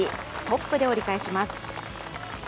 トップで折り返します。